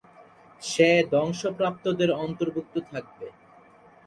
সে ধ্বংসপ্রাপ্তদের অন্তর্ভুক্ত থাকবে।